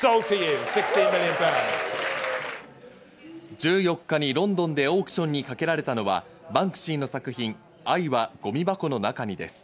１４日にロンドンでオークションにかけられたのはバンクシーの作品、『愛はごみ箱の中に』です。